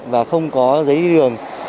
và không có giấy đi đường